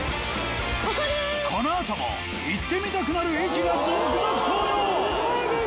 このあとも行ってみたくなる駅が続々登場！